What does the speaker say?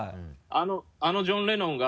あのジョン・レノンが。